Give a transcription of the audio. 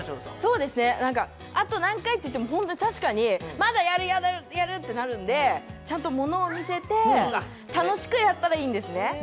そうですねあと何回って言ってもホントに確かにまだやるまだやるってなるんでちゃんと物を見せて楽しくやったらいいんですね